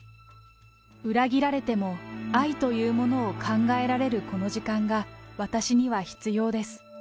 裏切られても愛というものを考えられるこの時間が私には必要です。